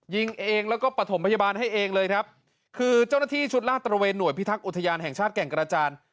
ยิงเองแล้วก็ปฐมพยาบาลให้เองเลยครับคือเจ้าหน้าที่ชุดลาดตระเวนหน่วยพิทักษ์อุทยานแห่งชาติแก่งกระจาน